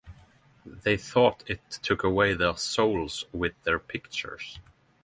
They thought it took away their souls with their pictures.